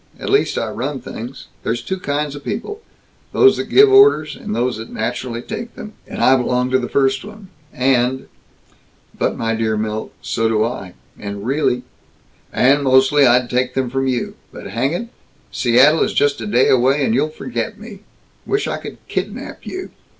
At least I run things. There's two kinds of people; those that give orders, and those that naturally take them; and I belong to the first one, and " "But my dear Milt, so do I, and really " "And mostly I'd take them from you. But hang it, Seattle is just a day away, and you'll forget me. Wish I could kidnap you.